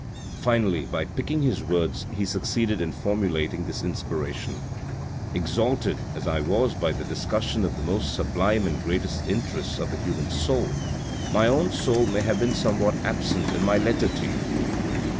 Finally by picking his words he succeeded in formulating this inspiration :" Exalted as I was by the discussion of the most sublime and greatest interests of the human soul, my own soul may have been somewhat absent in my letter to you."